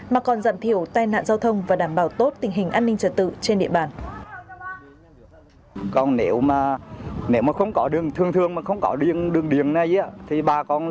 mà còn giảm thiểu tai nạn giao thông và đảm bảo tốt tình hình an ninh trật tự trên địa bàn